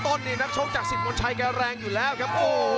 ต้นนี่นักชลองจาก๒๐วันใช้แก่แรงอยู่แล้วครับ